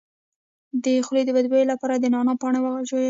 د خولې د بد بوی لپاره د نعناع پاڼې وژويئ